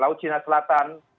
laut cina selatan